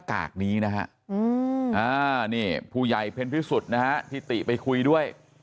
อ่านี่ผู้ใหญ่เพ้นพิสุทธิ์นะฮะที่ติไปคุยด้วย